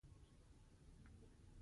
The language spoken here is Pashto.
• واده د ارام ژوند سبب کېږي.